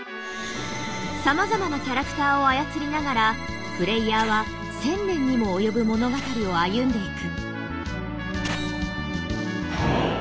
さまざまなキャラクターを操りながらプレイヤーは１，０００年にも及ぶ物語を歩んでいく。